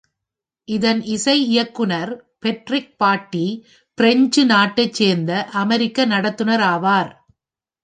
இதன் இசை இயக்குனர் பேட்ரிக் பாட்டி, பிரெஞ்சு நாட்டைச் சேர்ந்த அமெரிக்க நடத்துனர் ஆவார்.